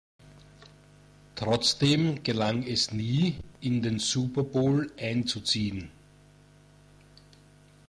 Trotzdem gelang es nie, in den Super Bowl einzuziehen.